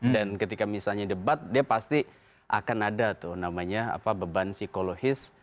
dan ketika misalnya debat dia pasti akan ada tuh namanya apa beban psikologis